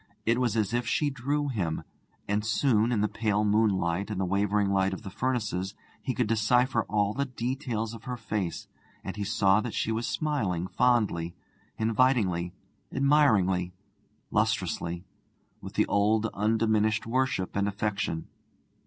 It was as if she drew him; and soon, in the pale moonlight and the wavering light of the furnaces, he could decipher all the details of her face, and he saw that she was smiling fondly, invitingly, admiringly, lustrously, with the old undiminished worship and affection.